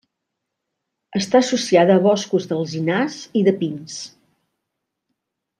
Està associada a boscos d'alzinars i de pins.